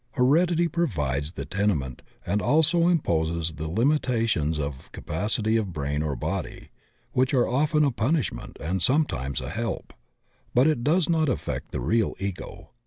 Heredity provides the tenement and also imposes those limitations of capacity of brain or body which are often a punishment and sometimes a help, but it does not affect the real Ego.